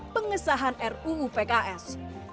pengesahan ruu pks